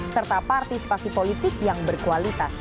serta partisipasi politik yang berkualitas